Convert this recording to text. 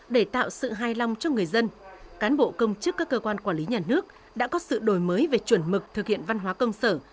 để tạo sự hài lòng cho người dân cán bộ công chức các cơ quan quản lý nhà nước đã có sự đổi mới về chuẩn mực thực hiện văn hóa công sở